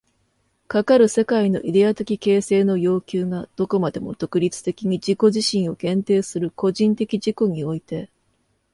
かかる世界のイデヤ的形成の要求がどこまでも独立的に自己自身を限定する個人的自己において、